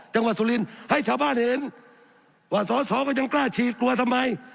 จังหวัดสุรินทร์ให้ชาวบ้านเห็นว่าสอสอก็ยังกล้าฉีดกลัวทำไม